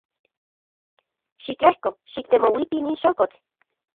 Xitlejko xiktemouiti nin xokotl.